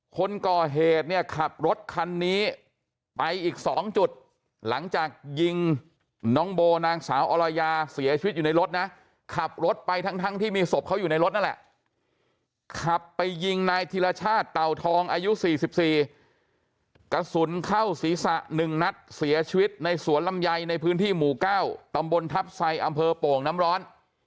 คนก่อเหตุเนี่ยขับรถคันนี้ไปอีก๒จุดหลังจากยิงน้องโบนางสาวอรยาเสียชีวิตอยู่ในรถนะขับรถไปทั้งที่มีศพเขาอยู่ในรถนั่นแหละขับไปยิงนายธิรชาติเต่าทองอายุ๔๔กระสุนเข้าศีรษะ๑นัดเสียชีวิตในสวนลำไยในพื้นที่หมู่๙ตำบลทัพไซอำเภอโป่งน้ำร้อน